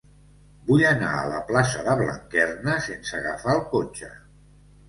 Vull anar a la plaça de Blanquerna sense agafar el cotxe.